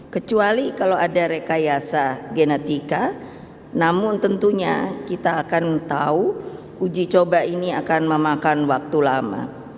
kecuali kalau ada rekayasa genetika namun tentunya kita akan tahu uji coba ini akan memakan waktu lama